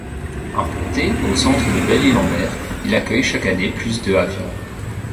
Implanté au centre de Belle-Île-en-Mer, il accueille chaque année plus de avions.